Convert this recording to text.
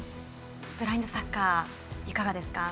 ブラインドサッカーいかがですか？